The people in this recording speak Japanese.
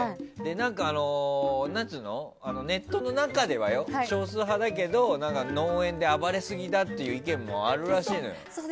なんかネットの中では少数派だけど農園で暴れすぎだっていう意見もあるらしいのよ。